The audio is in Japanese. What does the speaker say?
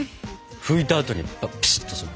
拭いたあとにピシッとする。